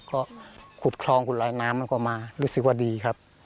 ก็ขุดคลองขุดไหลน้ำมันก็มารู้สึกว่าดีครับ